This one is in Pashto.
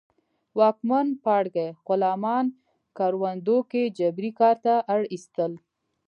واکمن پاړکي غلامان کروندو کې جبري کار ته اړ اېستل